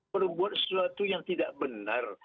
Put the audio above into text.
berbuat sesuatu yang tidak benar